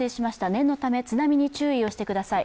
念のため津波に注意をしてください。